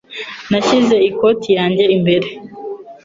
Nashyize ikoti yanjye imbere.